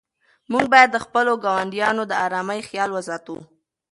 موږ باید د خپلو ګاونډیانو د آرامۍ خیال وساتو.